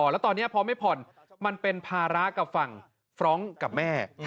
แล้วตอนนี้พอไม่ผ่อนมันเป็นภาระกับฝั่งฟรองก์กับแม่